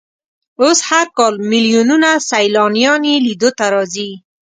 اوس هر کال ملیونونه سیلانیان یې لیدو ته راځي.